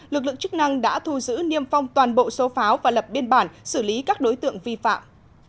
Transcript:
lực lượng chức năng đã thu giữ niêm phong toàn bộ số pháo và lập biên bản xử lý các đối tượng vi phạm